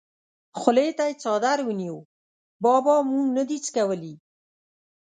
خولې ته یې څادر ونیو: بابا مونږ نه دي څکولي!